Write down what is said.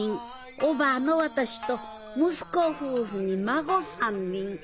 おばぁの私と息子夫婦に孫３人。